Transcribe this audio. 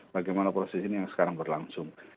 bagaimana proses ini yang sekarang berlangsung